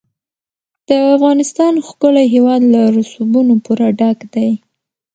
د افغانستان ښکلی هېواد له رسوبونو پوره ډک دی.